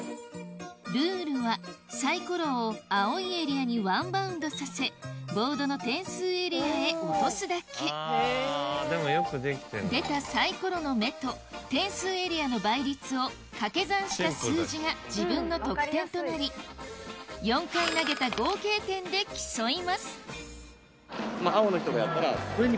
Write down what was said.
ルールはサイコロを青いエリアにワンバウンドさせボードの点数エリアへ落とすだけ出たサイコロの目と点数エリアの倍率を掛け算した数字が自分の得点となり青の人がやったらこれに。